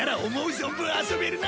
存分遊べるな！